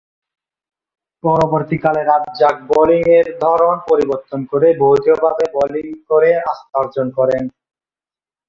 পরবর্তীকালে রাজ্জাক বোলিংয়ে ধরন পরিবর্তন করে বৈধভাবে বোলিং করে আস্থা অর্জন করেন।